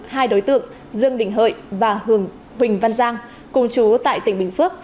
hai đối tượng dương đình hợi và hường huỳnh văn giang cùng chú tại tỉnh bình phước